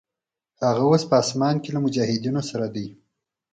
هغه اوس په اسماس کې له مجاهدینو سره دی.